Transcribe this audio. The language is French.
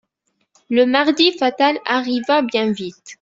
Le mardi fatal arriva bien vite.